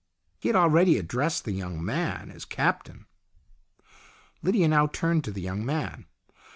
He had already addressed the young man as Captain. Lydia now turned to the young man.